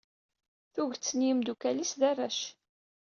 Tuget n yimedukal-is d arrac.